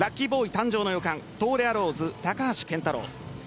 誕生の予感東レアローズ・高橋健太郎。